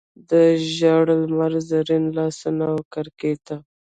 د ژړ لمر زرین لاسونه وکړکۍ ته،